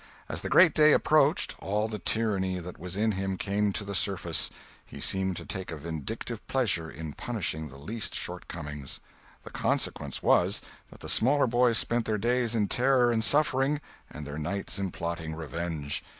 As the great day approached, all the tyranny that was in him came to the surface; he seemed to take a vindictive pleasure in punishing the least shortcomings. The consequence was, that the smaller boys spent their days in terror and suffering and their nights in plotting revenge.